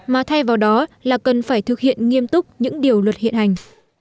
mà thay vào đó là cần phải thực hiện nghiêm túc những điều luật hiện hành